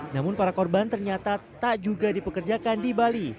namun para korban ternyata tak juga dipekerjakan di bali